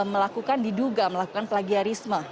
melakukan diduga melakukan plagiarisme